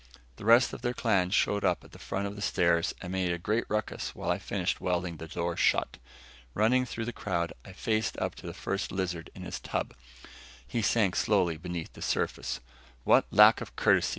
The rest of their clan showed up at the foot of the stairs and made a great ruckus while I finished welding the door shut. Running through the crowd, I faced up to the First Lizard in his tub. He sank slowly beneath the surface. "What lack of courtesy!"